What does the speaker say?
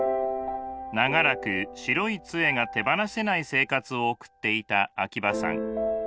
長らく白いつえが手放せない生活を送っていた秋葉さん。